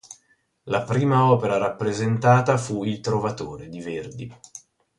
La prima opera rappresentata fu "Il Trovatore" di Verdi.